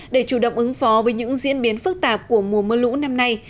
để chủ động ứng phó với những diễn biến phức tạp của mùa mưa lũ năm nay